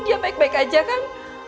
dia baik baik aja kan